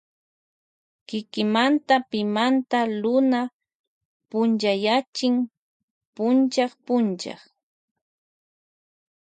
Kikinmada pimanda luna punchayachin punllak punllak.